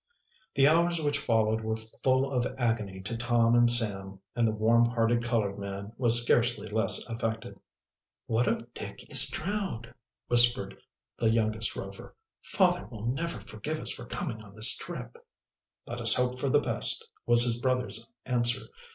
The hours which followed were full of agony to Tom and Sam, and the warm hearted colored man was scarcely less affected. "What if Dick is drowned?" whispered the youngest Rover. "Father will never forgive us for coming on this trip." "Let us hope for the best," was his brother's answer.